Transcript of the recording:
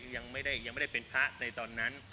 ยังไม่ได้เป็นพระในตอนนั้น